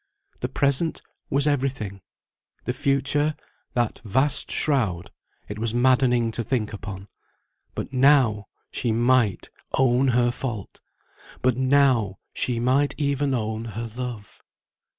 The present was everything; the future, that vast shroud, it was maddening to think upon; but now she might own her fault, but now she might even own her love.